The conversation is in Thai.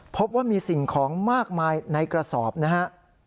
พบว่ามีสิ่งของมากมายในกระสอบนะฮะ